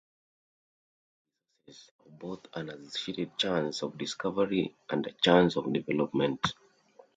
Prospective resources have both an associated chance of discovery and a chance of development.